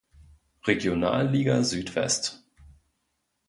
Regionalliga Südwest.